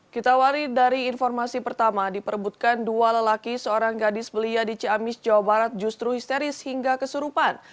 kita wari dari informasi pertama diperbutkan dua lelaki seorang gadis belia di ciamis jawa barat justru histeris hingga kesurupan